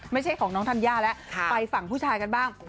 ไม่ใช่ของน้องธัญญาแล้วไปฝั่งผู้ชายกันบ้าง